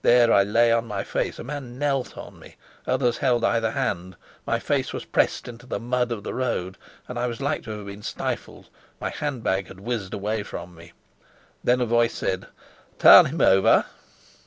There I lay on my face; a man knelt on me, others held either hand; my face was pressed into the mud of the road, and I was like to have been stifled; my hand bag had whizzed away from me. Then a voice said: "Turn him over."